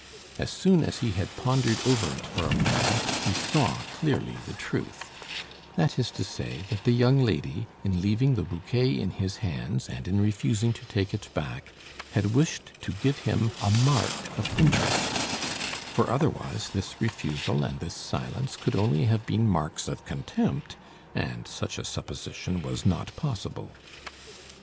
As soon as he had pondered over it for awhile, he saw clearly the truth; that is to say, that the young lady, in leaving the bouquet in his hands, and in refusing to take it back, had wished to give him a mark of interest; for otherwise this refusal and this silence could only have been marks of contempt, and such a supposition was not possible.